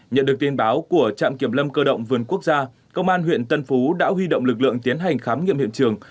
nhận được tin báo của trạm kiểm lâm cơ động vườn quốc gia công an huyện tân phú đã huy động lực lượng tiến hành khám nghiệm hiện trường